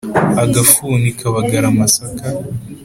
.-Agafuni kabagara amasaka.